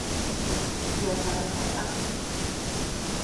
Qui es va despertar?